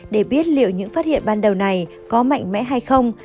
để biết liệu những phát hiện ban đầu này có mạnh mẽ hay không